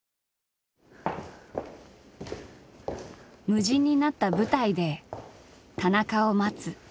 無人になった舞台で田中を待つ。